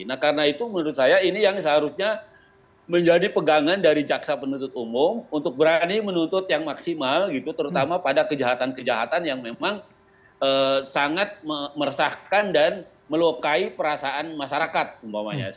nah karena itu menurut saya ini yang seharusnya menjadi pegangan dari jaksa penuntut umum untuk berani menuntut yang maksimal gitu terutama pada kejahatan kejahatan yang memang sangat meresahkan dan melukai perasaan masyarakat umpamanya